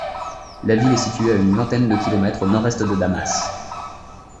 La ville est située à une vingtaine de kilomètres au nord-est de Damas.